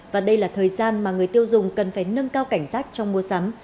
và đây là thời gian mà người tiêu dùng cần phải nâng cao cảnh giác trong mua sắm